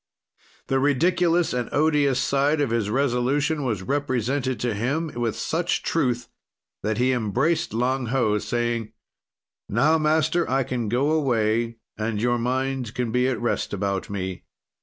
"The ridiculous and odious side of his resolution was represented to him with such truth that he embraced Lang Ho, saying: "'Now, Master, I can go away, and your mind can be at rest about me.